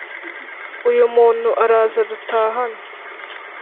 uyu umuntu araza dutahane